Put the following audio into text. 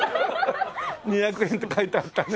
２００円って書いてあったね。